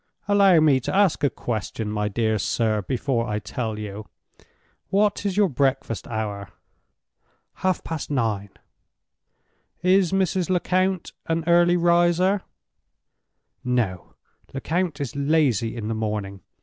"Allow me to ask a question, my dear sir, before I tell you. What is your breakfast hour?" "Half past nine." "Is Mrs. Lecount an early riser?" "No. Lecount is lazy in the morning.